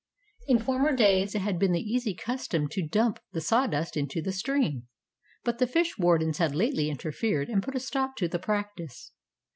In former days it had been the easy custom to dump the sawdust into the stream, but the fish wardens had lately interfered and put a stop to the practice.